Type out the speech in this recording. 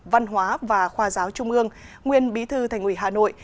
văn hóa và khoa giáo trung ương nguyên bí thư thành ủy hà nội